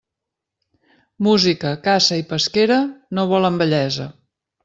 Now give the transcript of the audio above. Música, caça i pesquera no volen vellesa.